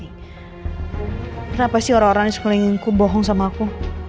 kenapa sih orang orang di sekelilingku bohong sama aku